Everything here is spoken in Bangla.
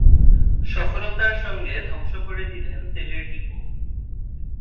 সফলতার সঙ্গে ধ্বংস করে দিলেন তেলের ডিপো।